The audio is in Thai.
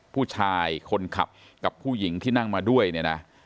ผู้ชายคนขับกับผู้หญิงที่นั่งมาด้วยเนี่ยนะ